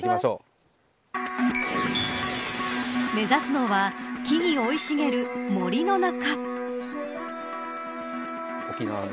目指すのは木々生い茂る森の中。